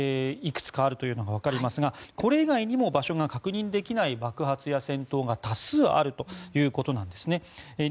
いくつかあるというのが分かりますがこれ以外にも場所が確認できない爆発や戦闘が多数あるということなんですね。